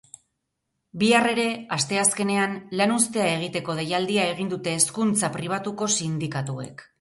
Bihar ere, asteazkenean, lanuztea egiteko deialdia egin dute hezkuntza pribatuko sindikatuek.